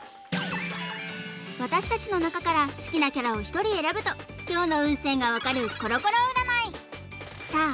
私達の中から好きなキャラを１人選ぶと今日の運勢がわかるコロコロ占いさあ